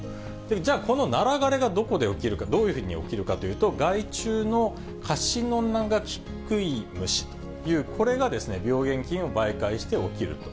じゃあこのナラ枯れがどこで起きるか、どういうふうに起きるかというと、害虫のカシノナガキクイムシという、これが病原菌を媒介して起きると。